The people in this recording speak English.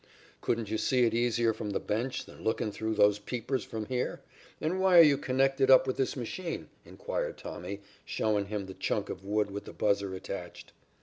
"'Couldn't you see it easier from the bench than lookin' through those peepers from here? And why are you connected up with this machine?' inquired Tommy, showin' him the chunk of wood with the buzzer attached.